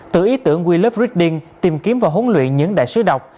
từ ý tưởng we love reading tìm kiếm và hỗn luyện những đại sứ đọc